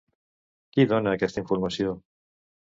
Qui dona aquesta informació?